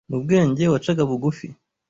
mu bwenge wacaga bugufi,